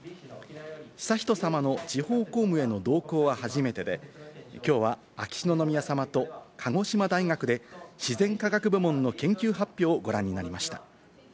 悠仁さまの地方公務への同行は初めてできょうは秋篠宮さまと鹿児島大学で自然科学部門の研究発表をご覧になりました。